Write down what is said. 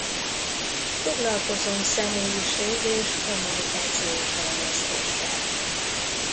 Foglalkozom személyiség- és kommunikációs fejlesztéssel.